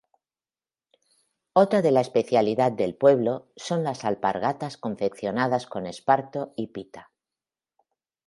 Otra de la especialidad del pueblo, son las alpargatas confeccionadas con esparto y pita.